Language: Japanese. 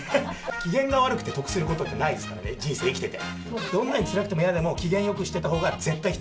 機嫌が悪くて、得することってないですからね、人生生きてて。